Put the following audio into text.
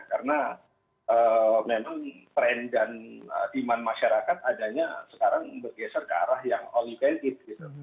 karena memang trend dan iman masyarakat adanya sekarang bergeser ke arah yang all you can eat